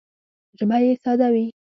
ژبه یې ساده وي